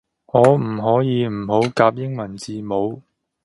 可唔可以唔好夾英文字母